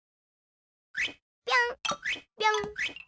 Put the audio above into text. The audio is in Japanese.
ぴょんぴょん。